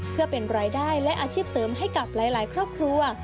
เพื่อเป็นรายได้และอาชีพเสริมให้กับหลายครอบครัว